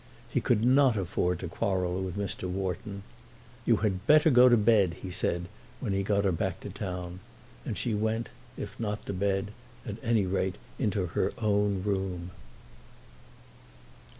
He could not afford to quarrel with Mr. Wharton. "You had better go to bed," he said, when he got her back to town; and she went, if not to bed, at any rate into her own room.